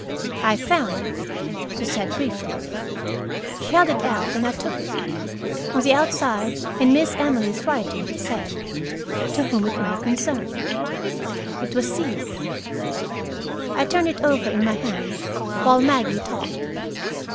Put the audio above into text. "I found it," she said briefly. She held it out, and I took it. On the outside, in Miss Emily's writing, it said, "To whom it may concern." It was sealed. I turned it over in my hand, while Maggie talked.